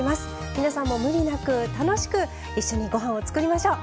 皆さんもムリなく楽しく一緒にごはんを作りましょう。